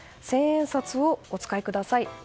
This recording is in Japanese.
千円札をお使いください。